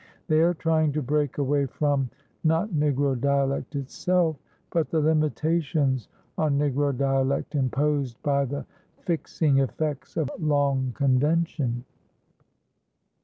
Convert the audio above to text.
They are trying to break away from, not Negro dialect itself, but the limitations on Negro dialect imposed by the fixing effects of long convention.